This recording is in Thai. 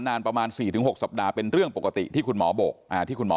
นานประมาณ๔๖สัปดาห์เป็นเรื่องปกติที่คุณหมอบอกที่คุณหมอ